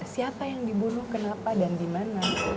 siapa yang dibunuh kenapa dan dimana